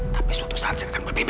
tapi suatu saat saya akan membeberkan